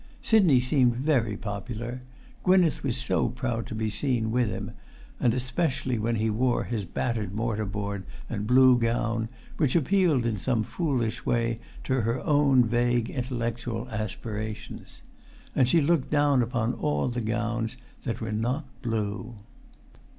Sidney seemed very popular. Gwynneth was so proud to be seen with him, especially when he wore his battered mortar board and blue gown, which appealed in some foolish way to her own vague intellectual aspirations. And she looked down upon all the gowns that were not blue.